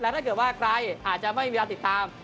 ถ้าเกิดว่าใครอาจจะไม่มีเวลาติดตาม